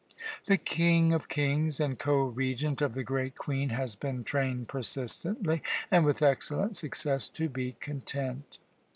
The King of kings and Co Regent of the Great Queen has been trained persistently, and with excellent success, to be content.